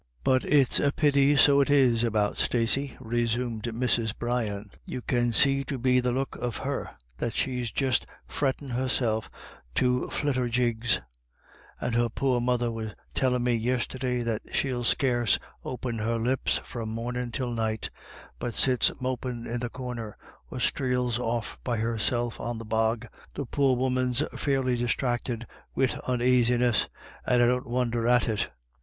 " But it's a pity, so it is, about Stacey," resumed Mrs. Brian, " you can see be the look of her that she's just frettin' herself to flitterjigs ; and her poor mother was tellin' me yisterday that she'll scarce open her lips from mornin' till night, but sits mopin' in the corner, or sthreels off be herself on the bog. The poor woman's fairly disthracted wid onaisiness, and I don't wonder at it.